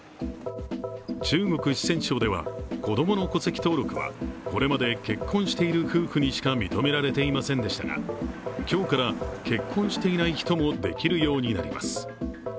中国・四川省では子供の戸籍登録はこれまで結婚している夫婦にしか認められていませんでしたが、今日から、結婚していない人もできるようになります。